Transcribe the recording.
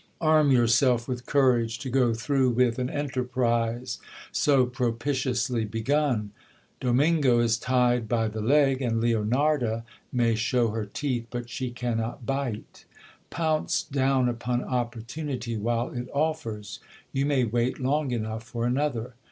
Arm yourself with courage to go through with an enterprise so propitiously begun. Domingo is tied by the leg, and Leonarda may show her teeth, but she cannot bite. Pounce down upon opportunity while it offers ; you may wait long enough for another.